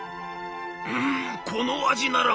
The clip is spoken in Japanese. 「うんこの味ならば。